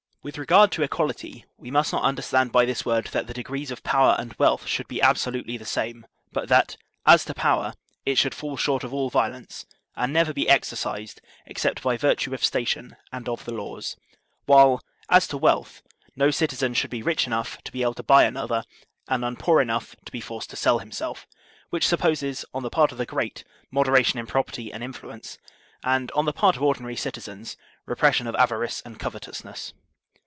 With regard to equality, we must not understand by this word that the deg^es of power and wealth should be absolutely the same; but that, as to power, it should fall short of all violence, and never be exercised except by virtue of station and of the laws; while, as to wealth, no citizen should be rich enough to be able to buy another, and none poor enough to be forced to sell himself,* which supposes, on the part of the great, moderation in property and influence, and, on the part of ordinary citizens, re pression of avarice and covetousness.